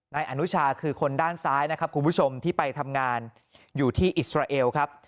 นายอนุชาคือคนด้านซ้ายนะครับคุณผู้ชมที่ไปทำงานอยู่ที่อิสราเอลครับ